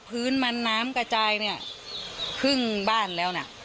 พื้นมันน้ำกระจายเนี่ยครึ่งบ้านแล้วนะ